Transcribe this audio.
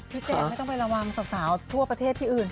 แจ๊กไม่ต้องไประวังสาวทั่วประเทศที่อื่น